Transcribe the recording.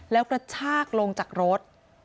แล้วกระชากลงจากรถ